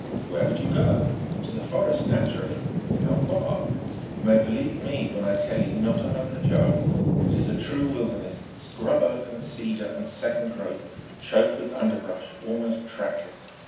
"Where would you go? Into the forest, naturally. But how far? You may believe me when I tell you, not a hundred yards. It's a true wilderness, scrub oak and cedar and second growth choked with underbrush, almost trackless.